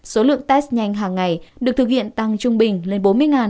số lượng test nhanh hàng ngày được thực hiện tăng trung bình lên bốn mươi bốn trăm hai mươi